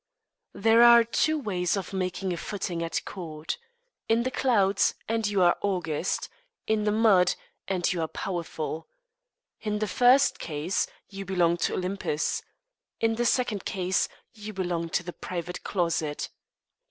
There are two ways of making a footing at court. In the clouds, and you are august; in the mud, and you are powerful. In the first case, you belong to Olympus. In the second case, you belong to the private closet.